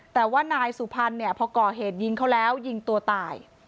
แต่ว่านายสุพรรณเนี่ยพอก่อเหตุยิงเขาแล้วยิงตัวตาย